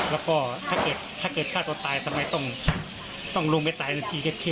แล้วก็ถ้าเกิดฆาตตายทำไมต้องลงไปตายในที่แคบ